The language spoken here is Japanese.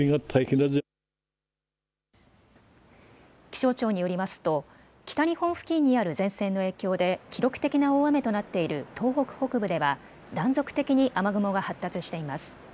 気象庁によりますと北日本付近にある前線の影響で記録的な大雨となっている東北北部では断続的に雨雲が発達しています。